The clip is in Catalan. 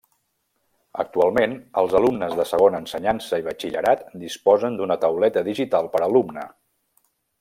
Actualment els alumnes de segona ensenyança i batxillerat disposen d'una tauleta digital per alumne.